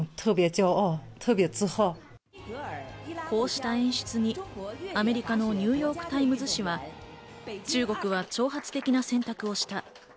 こうした演出にアメリカのニューヨーク・タイムズ紙は、中国は挑発的な選択をした。